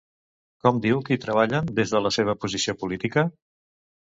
Com diu que hi treballen, des de la seva posició política?